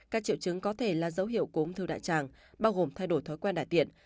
các triệu chứng có thể là dấu hiệu cúm thư đại tràng bao gồm thay đổi thói quen đại tiện